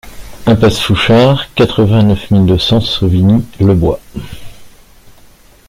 Impasse Fouchard, quatre-vingt-neuf mille deux cents Sauvigny-le-Bois